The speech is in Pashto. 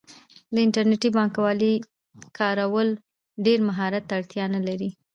د انټرنیټي بانکوالۍ کارول ډیر مهارت ته اړتیا نه لري.